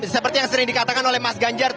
seperti yang sering dikatakan oleh mas ganjar